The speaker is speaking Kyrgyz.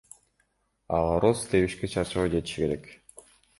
А короз тебишке чарчабай жетиши керек.